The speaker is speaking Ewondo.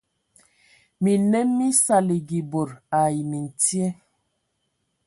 Minnǝm mí saligi bod ai mintye,